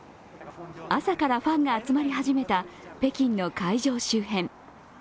朝からファンが集まり始めた北京の会場周辺。